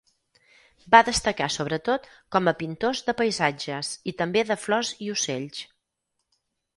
Va destacar sobretot com a pintors de paisatges i també de flors i ocells.